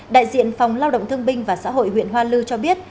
đại diện phòng lao động thương binh và xã hội huyện hoa lư cho biết